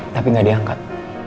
tapi gak diangkat